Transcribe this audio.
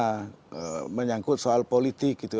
karena menyangkut soal politik gitu